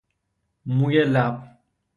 موی لب